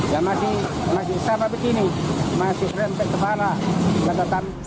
masih sama begini masih rempik kepala